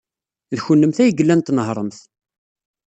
D kennemti ay yellan tnehhṛemt.